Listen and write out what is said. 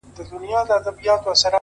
هوښیار انسان د بیړې قرباني نه کېږي.!